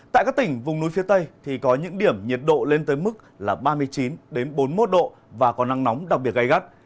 tại các tỉnh vùng núi phía tây thì có những điểm nhiệt độ lên tới mức là ba mươi chín bốn mươi một độ và có nắng nóng đặc biệt gai gắt